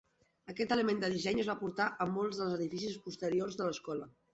Aquest element de disseny es va portar a molts dels edificis posteriors de l'escola.